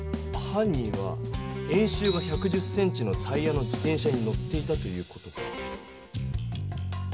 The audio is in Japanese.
犯人は円周が１１０ｃｍのタイヤの自転車に乗っていたという事か。